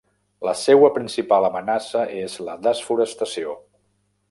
La seua principal amenaça és la desforestació.